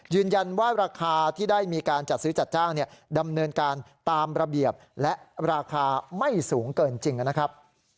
ราคาที่ได้มีการจัดซื้อจัดจ้างดำเนินการตามระเบียบและราคาไม่สูงเกินจริงนะครับ